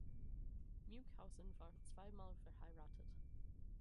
Münchhausen war zweimal verheiratet.